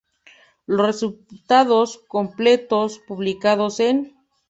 Los resultados completos publicados enː